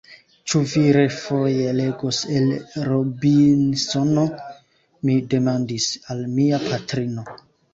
Ĉu vi refoje legos el Robinsono? mi demandis al mia patrino.